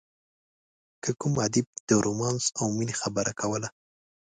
که کوم ادیب د رومانس او مینې خبره کوله.